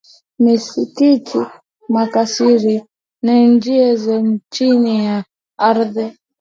misikiti makasri na njia za chini ya ardhi